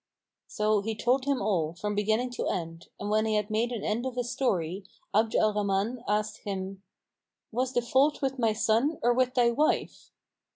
So he told him all, from beginning to end, and when he had made an end of his story, Abd al Rahman asked him, "Was the fault with my son or with thy wife?"